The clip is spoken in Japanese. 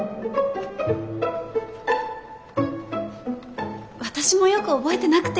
私もよく覚えてなくて。